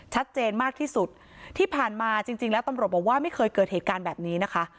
ชัดเจนมากที่สุดที่ผ่านมาจริงจริงแล้วตำรวจบอกว่าไม่เคยเกิดเหตุการณ์แบบนี้นะคะ